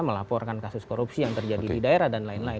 melaporkan kasus korupsi yang terjadi di daerah dan lain lain